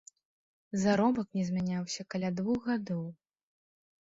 Заробак не змяняўся каля двух гадоў.